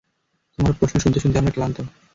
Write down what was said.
তোমার প্রশ্ন শুনতে শুনতে আমরা ক্লান্ত!